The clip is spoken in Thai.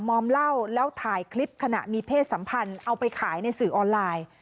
มอมเหล้าแล้วถ่ายคลิปขณะมีเพศสัมพันธ์เอาไปขายในสื่อออนไลน์